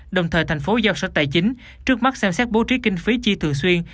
đồng thời thành phố giao sở tài chính trước mắt xem xét bố trí kinh phí chi thường xuyên